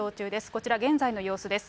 こちら、現在の様子です。